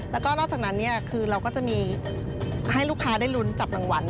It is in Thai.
แล้วก็นอกจากนั้นคือเราก็จะมีให้ลูกค้าได้ลุ้นจับรางวัล